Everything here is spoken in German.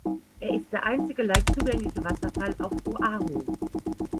Er ist der einzige leicht zugängliche Wasserfall auf Oʻahu.